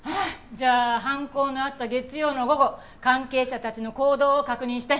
じゃあ犯行のあった月曜の午後関係者たちの行動を確認して。